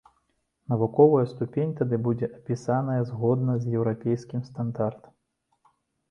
Навуковая ступень тады будзе напісаная згодна з еўрапейскім стандартам.